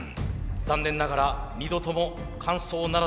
残念ながら２度とも完走ならず。